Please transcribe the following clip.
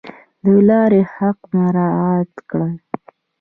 د لارې حق مراعات کړئ